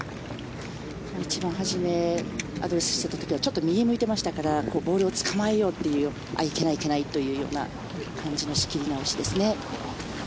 一番初めアドレスした時はちょっと右向いてましたからボールをつかまえようというあっ、いけない、いけないという感じの仕切り直しですね。